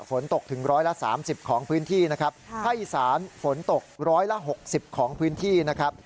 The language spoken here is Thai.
ฝนตกถึง๑๓๐ของพื้นที่นะครับภาคอีสานฝนตก๑๖๐ของพื้นที่นะครับ